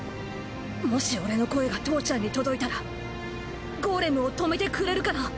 もし俺の声が父ちゃんに届いたらゴーレムを止めてくれるかな？